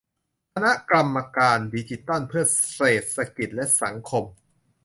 คณะกรรมการดิจิทัลเพื่อเศรษฐกิจและสังคม